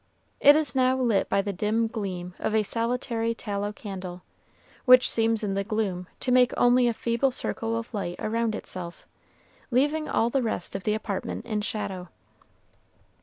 It is now lit by the dim gleam of a solitary tallow candle, which seems in the gloom to make only a feeble circle of light around itself, leaving all the rest of the apartment in shadow.